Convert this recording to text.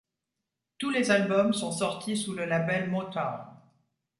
Tous les albums sont sortis sous le label Motown.